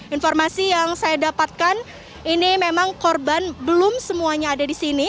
informasi yang saya dapatkan ini memang korban belum semuanya ada di sini